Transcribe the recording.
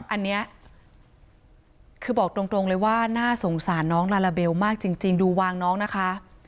อันนี้คือบอกตรงเลยว่าน่าสงสารน้องลาลาเบลมากจริงดูวางน้องนะคะ